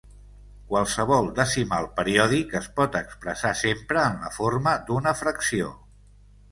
Qualsevol decimal periòdic es pot expressar sempre en la forma d'una fracció.